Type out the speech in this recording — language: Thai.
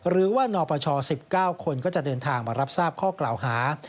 หรือว่านปช๑๙คนก็จะเดินทางมารับทราบข้อกล่าวหา